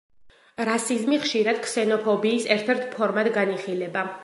რასიზმი ხშირად ქსენოფობიის ერთ-ერთ ფორმად განიხილება.